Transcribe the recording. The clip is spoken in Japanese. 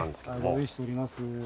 ご用意しております。